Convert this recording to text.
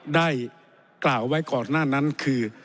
ได้กล่าวไว้ก่อนหน้านั้นคือ